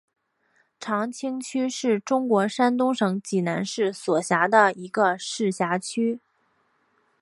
长清区是中国山东省济南市所辖的一个市辖区。